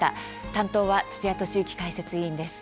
担当は土屋敏之解説委員です。